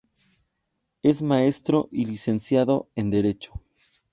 Es maestro y licenciado en Derecho.